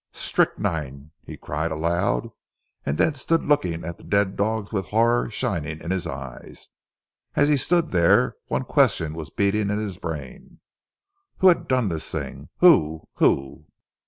"Strychnine!" he cried aloud, and then stood looking at the dead dogs with horror shining in his eyes. As he stood there one question was beating in his brain. "Who has done this thing? Who? Who?"